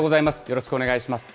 よろしくお願いします。